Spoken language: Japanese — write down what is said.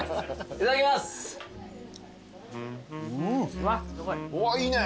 ・いいね。